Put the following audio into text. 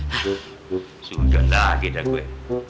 hah sudah enggak geda gue